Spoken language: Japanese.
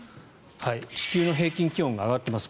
地球の平均気温が上がっています。